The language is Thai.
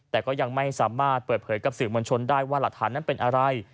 แต่ก็ยังไม่สามารถเปิดเผยกับสื่อมวลชนได้ว่าหลักฐานนั้นเป็นอะไร